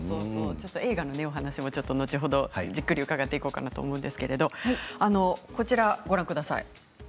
映画のお話も後ほどじっくり伺っていこうかと思うんですがこちらをご覧ください。